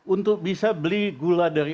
untuk bisa beli gula dari